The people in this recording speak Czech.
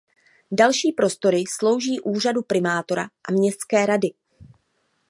Další prostory slouží úřadu primátora a městské rady.